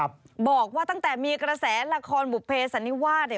บอกว่าตั้งแต่มีกระแสละครบุภเพสันนิวาสเนี่ย